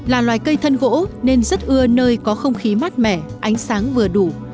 là loài cây thân gỗ nên rất ưa nơi có không khí mát mẻ ánh sáng vừa đủ